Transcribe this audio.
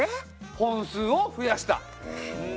本数を増やした！